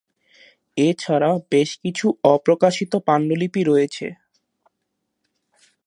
এছাড়া বেশ কিছু অপ্রকাশিত পাণ্ডুলিপি রয়েছে।